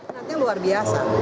nantinya luar biasa